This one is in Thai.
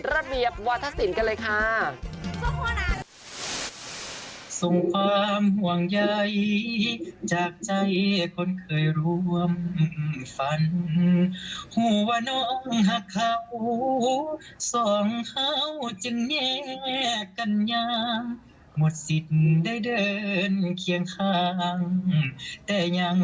ระเบียบวัฒนศิลป์กันเลยค่ะ